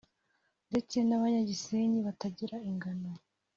ndetse n’abanyagisenyi batagira ingano